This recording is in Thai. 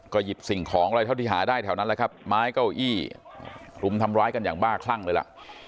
หยิบสิ่งของอะไรเท่าที่หาได้แถวนั้นแหละครับไม้เก้าอี้รุมทำร้ายกันอย่างบ้าคลั่งเลยล่ะ